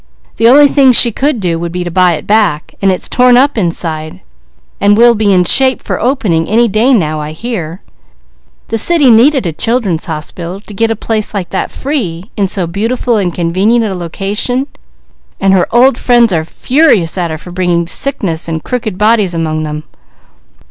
The only thing she could do would be to buy it back, and it's torn up inside, and will be in shape for opening any day now, I hear. The city needed a Children's Hospital; to get a place like that free, in so beautiful and convenient a location and her old friends are furious at her for bringing sickness and crooked bodies among them.